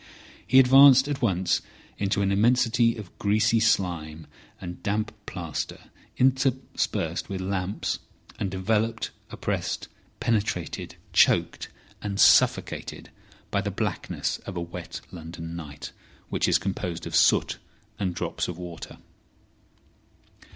He advanced at once into an immensity of greasy slime and damp plaster interspersed with lamps, and enveloped, oppressed, penetrated, choked, and suffocated by the blackness of a wet London night, which is composed of soot and drops of water.